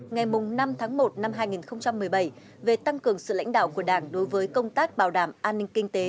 ngày năm tháng một năm hai nghìn một mươi bảy về tăng cường sự lãnh đạo của đảng đối với công tác bảo đảm an ninh kinh tế